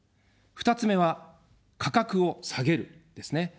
２つ目は、価格を下げる、ですね。